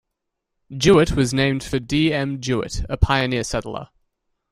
Jewett was named for D. M. Jewett, a pioneer settler.